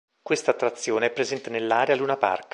Questa attrazione è presente nell'area Luna Park.